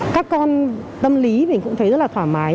các con tâm lý mình cũng thấy rất là thoải mái